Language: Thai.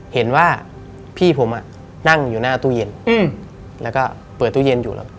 เห็นว่าพี่ผมนั่งอยู่หน้าตู้เย็นแล้วก็เปิดตู้เย็นอยู่แล้ว